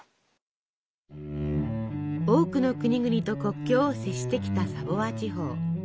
多くの国々と国境を接してきたサヴォワ地方。